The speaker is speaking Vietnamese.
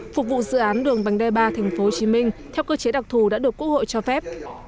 phục vụ dự án đường vành đai ba tp hcm theo cơ chế đặc thù đã được quốc hội cho phép